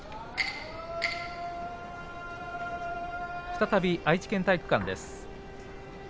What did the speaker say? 再び愛知県体育館です。